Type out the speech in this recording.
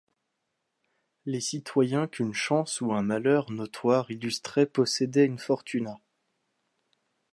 Les citoyens qu'une chance ou un malheur notoire illustrait possédaient une Fortuna.